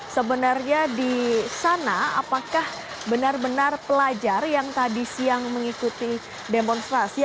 sebenarnya di sana apakah benar benar pelajar yang tadi siang mengikuti demonstrasi